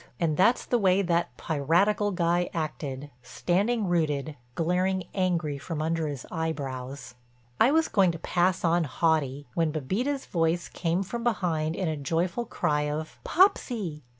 And that's the way that piratical guy acted, standing rooted, glaring angry from under his eyebrows. I was going to pass on haughty, when Bébita's voice came from behind in a joyful cry of "Popsy."